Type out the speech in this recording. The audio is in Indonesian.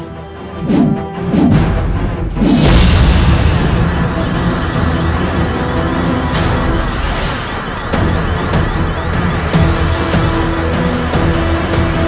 kau tidak bisa membedakan